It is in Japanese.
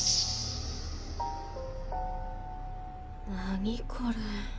何これ！？